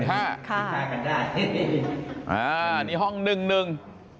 อันนี้ห้อง๑๑